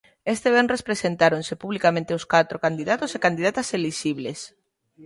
Este venres presentáronse publicamente os catro candidatos e candidatas elixibles.